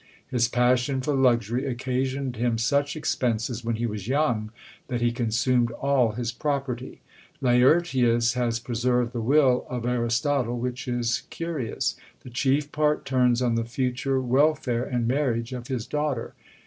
His passion for luxury occasioned him such expenses when he was young, that he consumed all his property. Laertius has preserved the will of Aristotle, which is curious. The chief part turns on the future welfare and marriage of his daughter.